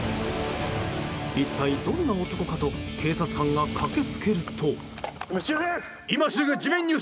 一体どんな男かと警察官が駆け付けると。